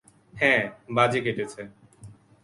হ্যাঁ, বাজে কেটেছে।